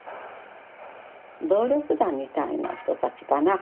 暴力団みたいな人たちかな